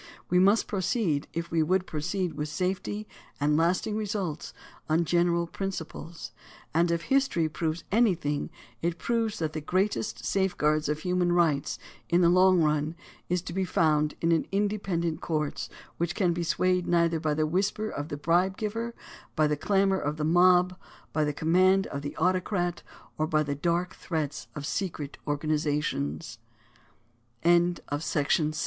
We must proceed, if we would proceed with safety and lasting results, on general principles; and if history proves anjrthing it proves that the greatest safeguard of human rights in the long run is to be found in independent courts which can be swayed neither by the whisper of the bribe giver, by the clamor of the mob, by the command of the autocrat, or